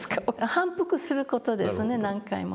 反復する事ですね何回もね。